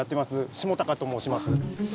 下高と申します。